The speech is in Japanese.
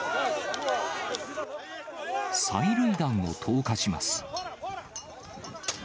催涙弾を投下します。